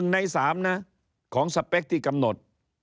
ใน๓นะของสเปคที่กำหนด